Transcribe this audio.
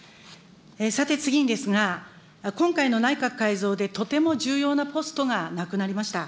さて次ですが、今回の内閣改造でとても重要なポストがなくなりました。